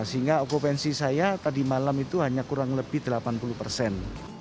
sehingga okupansi saya tadi malam itu hanya kurang lebih delapan puluh persen